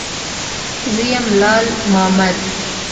_زه يم، لال مامد.